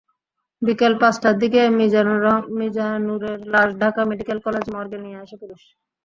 বিকেল পাঁচটার দিকে মিজানুরের লাশ ঢাকা মেডিকেল কলেজ মর্গে নিয়ে আসে পুলিশ।